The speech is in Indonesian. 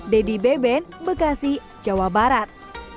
dedy beben bekasi jawa barat